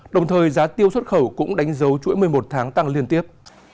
đồng thời giá tiêu xuất khẩu cũng đánh dấu chuỗi một mươi một tháng tăng liên tiếp